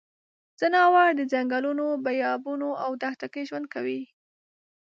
ځناور د ځنګلونو، بیابانونو او دښته کې ژوند کوي.